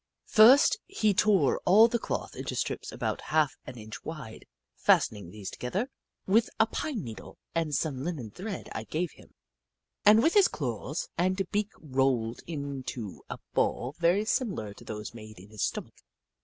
First, he tore all the cloth into strips about half an inch wide, fastening these together 2i6 The Book of Clever Beasts with a pine needle and some linen thread I gave him, and with his claws and beak rolled it into a ball very similar to those made in his stomach.